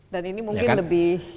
dan ini mungkin lebih